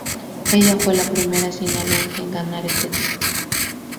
Ella fue la primera Sinaloense en ganar este título.